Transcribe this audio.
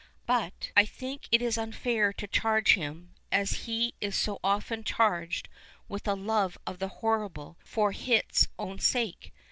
But I think it is unfair to charge him, as he is so often charged, with a loNe of the horrible for its own sake.